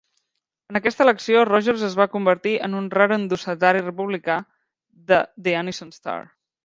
En aquesta elecció, Rogers es va convertir en un rar endossatari republicà de "The Anniston Star".